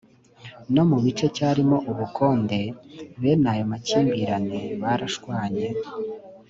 No mu gice cyarimo ubukonde, bene ayo makimbirane barashwanye